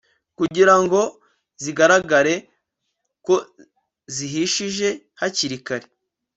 kugira ngo zigaragare ko zihishije hakiri kare